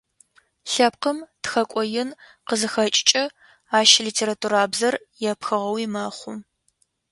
Лъэпкъым тхэкӏо ин къызыхэкӏыкӏэ ащ литературабзэр епхыгъэуи мэхъу.